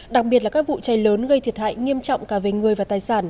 đặc biệt là các vụ cháy lớn gây thiệt hại nghiêm trọng cả về người và tài sản